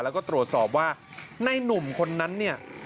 แล้วก็ตรวจสอบว่าในหนุ่มคนนั้นเนี่ย